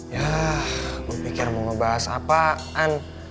yah gue pikir mau ngebahas apaan